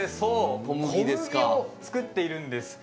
小麦を作っているんです。